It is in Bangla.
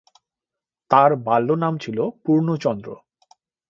তাঁর বাল্যনাম ছিল পূর্ণচন্দ্র।